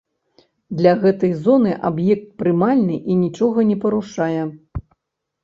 Для гэтай зоны аб'ект прымальны і нічога не парушае.